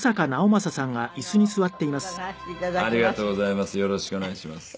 ありがとうございます。